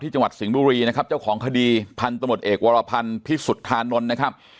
จังหวัดสิงห์บุรีนะครับเจ้าของคดีพันธมตเอกวรพันธ์พิสุทธานนท์นะครับ